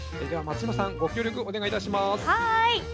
では松嶋さんご協力お願いいたします。